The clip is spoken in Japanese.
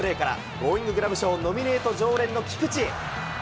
ゴーインググラブ賞ノミネート常連の菊池。